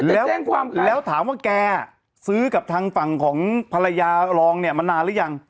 แล้วถามว่าแกซื้อกับทางฝั่งของภรรยารองมานานหรือยัง